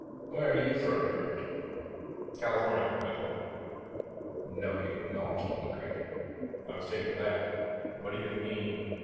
Where are you from, Rupert?" "California," I told him. "No, you're not," he grinned. I was taken aback. "What do you mean?"